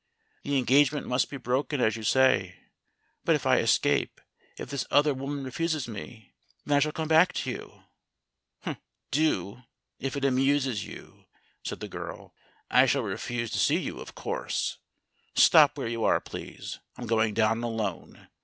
The engagement must be broken, as you say. But if I escape if this other woman refuses me, then I shall come back to you." "Do, if it amuses you," said the girl. "I shall refuse to see you, of course. Stop where you are, please I'm going down alone.